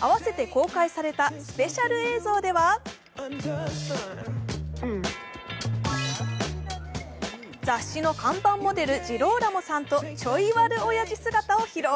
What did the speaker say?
合わせて公開されたスペシャル映像では、雑誌の看板モデル・ジローラモさんとちょいワルオヤジ姿を披露。